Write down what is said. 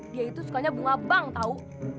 dia itu sukanya bunga bang tau